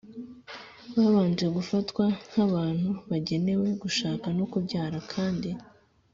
babanje gufatwa nk’abantu bagenewe gushaka no kubyara, kandi